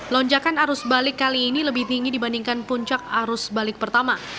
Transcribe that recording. lonjakan arus balik kali ini lebih tinggi dibandingkan puncak arus balik pertama